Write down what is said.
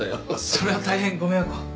それは大変ご迷惑を。